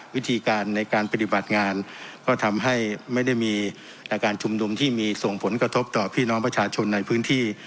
วิธีการในการปฏิบัติงานก็ทำให้ไม่ได้มีการชุมนุมที่มีส่งผลกระทบต่อพี่น้องประชาชนในพื้นที่